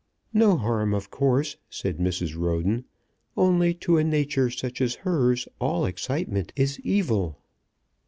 "No harm, of course," said Mrs. Roden; "only to a nature such as hers all excitement is evil."